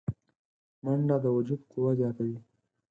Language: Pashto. منډه د وجود قوه زیاتوي